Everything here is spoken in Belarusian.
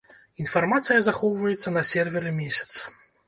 Інфармацыя захоўваецца на серверы месяц.